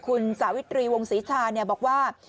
คุณสาวิทรีวงศิชาเนี่ยบอกว่า